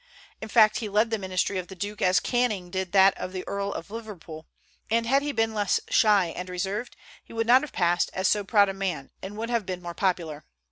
In fact, he led the ministry of the duke as Canning did that of the Earl of Liverpool; and had he been less shy and reserved, he would not have passed as so proud a man, and would have been more popular.